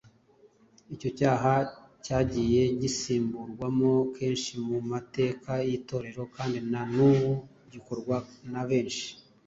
Icyo cyaha cyagiye gisubirwamo kenshi mu mateka y’Itorero kandi na n’ubu gikorwa na benshi.